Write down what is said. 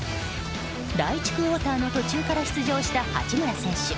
第１クオーターの途中から出場した八村選手。